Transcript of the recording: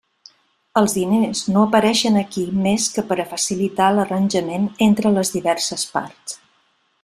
Els diners no apareixen aquí més que per a facilitar l'arranjament entre les diverses parts.